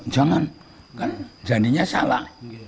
jangan kan jadinya salah